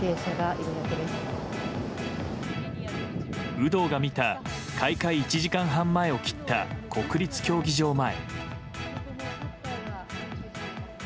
有働が見た開会１時間半前を切った国立競技場前。